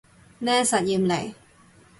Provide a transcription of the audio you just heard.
咩實驗嚟